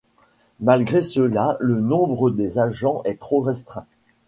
Malgré cela le nombre des agents est trop restreint.